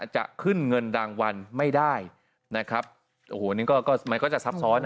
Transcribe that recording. จะขึ้นเงินรางวัลไม่ได้อันนี้ก็จะซับซ้อส